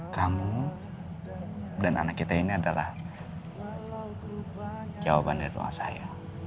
kamu dan anak kita ini adalah jawaban dari doa saya